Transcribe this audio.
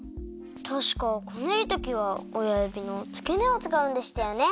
たしかこねるときはおやゆびのつけねをつかうんでしたよね！